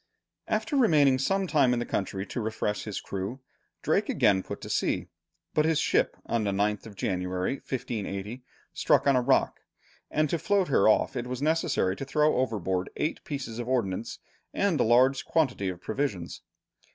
After remaining some time in the country to refresh his crew, Drake again put to sea, but his ship on the 9th of January, 1580, struck on a rock, and to float her off it was necessary to throw overboard eight pieces of ordnance and a large quantity of provisions.